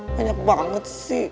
banyak banget sih